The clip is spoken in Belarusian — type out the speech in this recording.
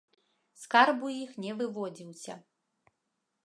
Скарб у іх не выводзіўся.